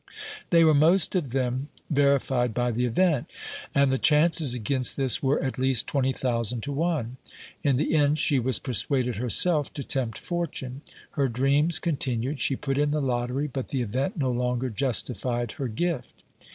They were most of them verified by the event, and the chances against this were at least twenty thousand to one. In the end she was persuaded herself to tempt fortune. Her dreams con tinued ; she put in the lottery, but the event no longer justified her gift.